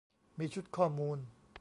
มีชุดข้อมูล